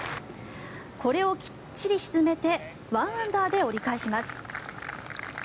これをきっちり沈めて１アンダーで折り返します。